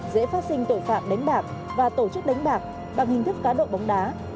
dễ phát sinh tội phạm đánh bạc và tổ chức đánh bạc bằng hình thức cá độ bóng đá